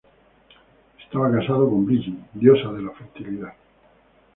Estaba casado con Brigid, diosa de la fertilidad.